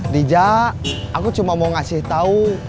dija aku cuma mau ngasih tau